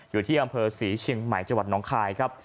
อยู่ที่อำเภอศรีเชียงใหม่จังหวัดน้องคายครับ